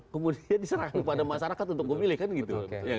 kemudian diserah kepada masyarakat untuk memilih kan gitu